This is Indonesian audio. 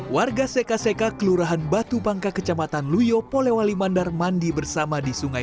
warga seka seka kelurahan batu pangka kecamatan luyo polewali mandar mandi bersama di sungai